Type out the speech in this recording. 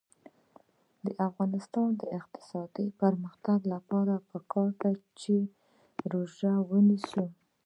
د افغانستان د اقتصادي پرمختګ لپاره پکار ده چې روژه ونیسو.